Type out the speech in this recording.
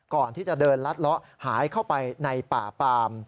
ก่อนที่จะเดินลัดเลาะหายเข้าไปในป่าปาม